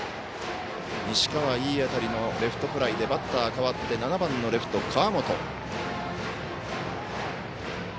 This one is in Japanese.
西川、いい当たりのレフトフライでバッター変わって７番のレフト川元。